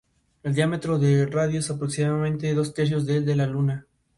Sobreviviendo sólo algunos cuantos humanos degenerados ahora en mutantes.